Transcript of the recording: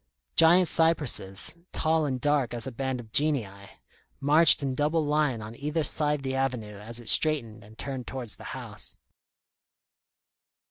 Giant cypresses, tall and dark as a band of Genii, marched in double line on either side the avenue as it straightened and turned towards the house.